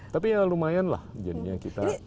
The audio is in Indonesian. tapi lumayanlah jadinya kita